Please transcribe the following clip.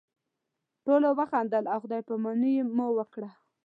ټولو وخندل او خدای پاماني مو وکړه.